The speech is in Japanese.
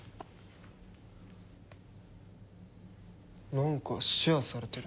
なんかシェアされてる。